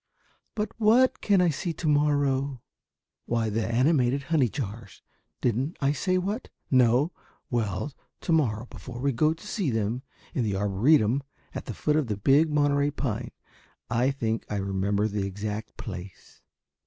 "But what can I see to morrow?" "Why the animated honey jars; didn't I say what? No? Well, to morrow we can go to see them; in the Arboretum at the foot of the big Monterey pine. I think I remember the exact place."